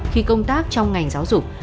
khi công tác trong ngành giáo dục